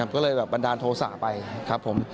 ก็เลยแบบบันดาลโทษะไปครับผม